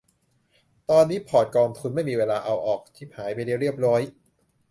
ตอนนี้พอร์ตกองทุน ไม่มีเวลาเอาออก ฉิบหายไปแล้วเรียบร้อย